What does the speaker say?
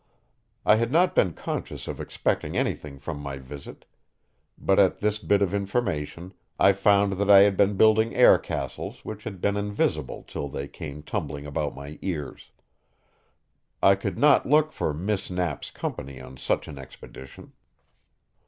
I had not been conscious of expecting anything from my visit, but at this bit of information I found that I had been building air castles which had been invisible till they came tumbling about my ears. I could not look for Miss Knapp's company on such an expedition.